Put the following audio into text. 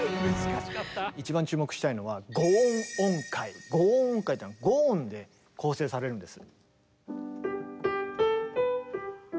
一番注目したいのは「五音音階」っていうのは五音で構成されるんです。